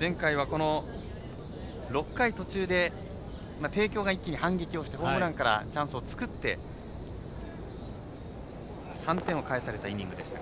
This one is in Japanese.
前回は６回途中で帝京が一気に反撃をしてホームランからチャンスを作って３点を返されたイニングでした。